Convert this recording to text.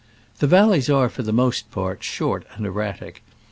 The valleys are for the most part short and erratic.